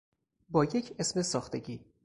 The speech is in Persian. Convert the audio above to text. با یک اسم ساختگی